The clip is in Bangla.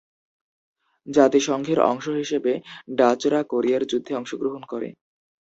জাতিসংঘের অংশ হিসেবে ডাচরা কোরিয়ার যুদ্ধে অংশগ্রহণ করে।